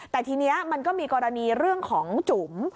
แต่ทีนี้มันก็มีกรณีเรื่องของจุ๋ม